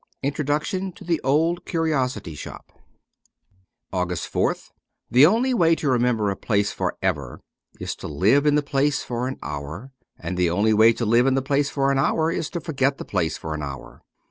Introduction to ' The Old Curiosity Shop.' 341 AUGUST 4th THE only way to remember a place for ever is to live in the place for an hour ; and the only way to live in the place for an hour is to forget the place for an hour.